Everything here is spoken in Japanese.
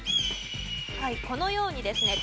このようにですね